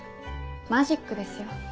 マジックですよ。